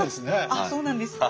あっそうなんですか。